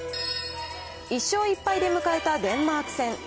１勝１敗で迎えたデンマーク戦。